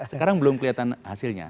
sekarang belum kelihatan hasilnya